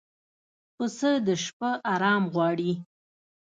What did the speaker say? پسه د شپه آرام غواړي.